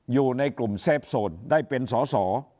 อยู่ในกลุ่มเซฟโซนได้เป็นสอสอ